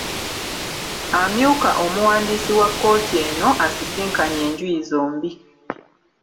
Amyuka Omuwandiisi wa kkooti eno asisinkanye enjuyi zombi